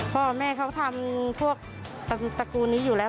พ่อแม่เขาทำพวกตระกูลนี้อยู่แล้ว